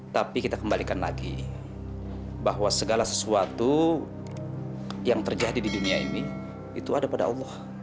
tapi kita kembalikan lagi bahwa segala sesuatu yang terjadi di dunia ini itu ada pada allah